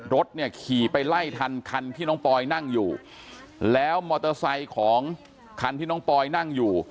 รถเนี่ยขี่ไปไล่ทันคันที่น้องปอยนั่งอยู่แล้วมอเตอร์ไซค์ของคันที่น้องปอยนั่งอยู่